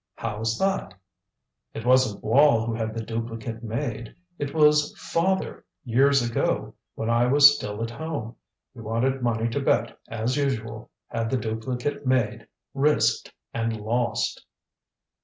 "How's that?" "It wasn't Wall who had the duplicate made. It was father years ago, when I was still at home. He wanted money to bet, as usual had the duplicate made risked and lost."